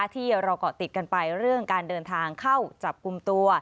ที่เราเกาะติดกันไปเรื่องการเดินทางเข้าจับกลุ่มตัว